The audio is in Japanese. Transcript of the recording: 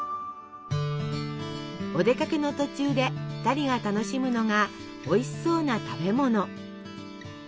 お出かけの途中で２人が楽しむのがおいしそうな食べ物。